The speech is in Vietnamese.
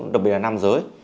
đặc biệt là nam giới